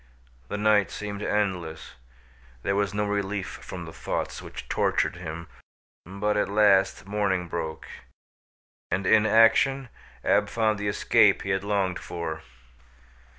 The night seemed endless. There was no relief from the thoughts which tortured him, but, at last, morning broke, and in action Ab found the escape he had longed for.